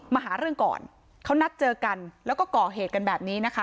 มาหาเรื่องก่อนเขานัดเจอกันแล้วก็ก่อเหตุกันแบบนี้นะคะ